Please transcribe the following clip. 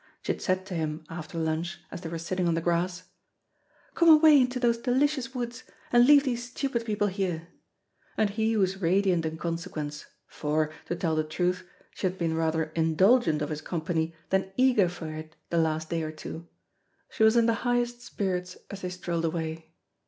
She had said to him after lunch, as they were sitting on the grass, "Come away into those delicious woods, and leave these stupid people here," and he was radiant in consequence, for, to tell the truth, she had been rather indulgent of his company than eager for it the last day or two. She was in the highest spirits as they strolled away.